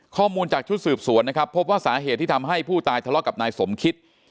ข้อมูลจากชุดสืบสวนนะครับพบว่าสาเหตุที่ทำให้ผู้ตายทะเลาะกับนายสมคิต